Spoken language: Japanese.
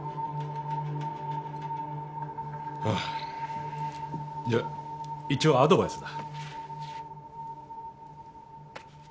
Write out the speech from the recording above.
はぁじゃあ一応アドバイスだ。